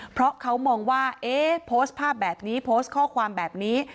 เพราะเขามองว่าเอ๊ะโพสต์ภาพแบบนี้โพสต์ข้อความแบบนี้